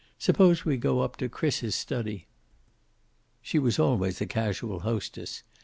Suppose we go up to Chris's study." She was always a casual hostess.